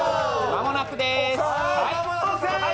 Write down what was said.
間もなくでーす。